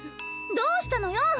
どうしたのよ！？